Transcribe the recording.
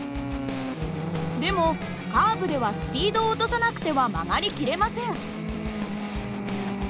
でもカーブではスピードを落とさなくては曲がりきれません。